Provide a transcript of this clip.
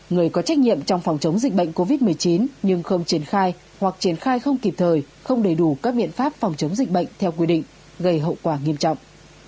người có trách nhiệm trong phòng chống dịch bệnh covid một mươi chín nhưng không triển khai hoặc triển khai không kịp thời không đầy đủ các biện pháp phòng chống dịch bệnh theo quy định gây hậu quả nghiêm trọng